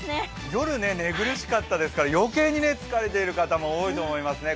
夜寝苦しかったですから余計に疲れている方も多いと思いますね。